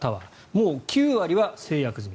もう９割は成約済み。